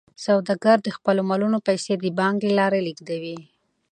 سوداګر د خپلو مالونو پیسې د بانک له لارې لیږدوي.